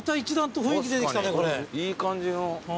いい感じの。